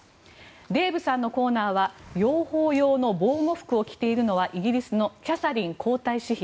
デーブさんのコーナーは養蜂用の防護服を着ているのはイギリスのキャサリン皇太子妃。